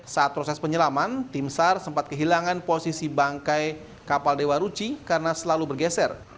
saat proses penyelaman tim sar sempat kehilangan posisi bangkai kapal dewa ruci karena selalu bergeser